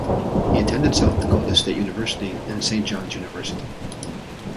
He attended South Dakota State University and Saint John's University.